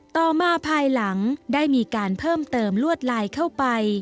ต่อมาภายหลังได้มีการเพิ่มเติมลวดลายเข้าไป